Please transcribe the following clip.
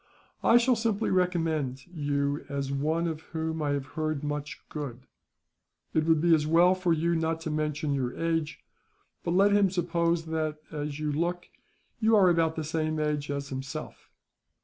I shall simply recommend you as one of whom I have heard much good. It would be as well for you not to mention your age; but let him suppose that, as you look, you are about the same age as himself.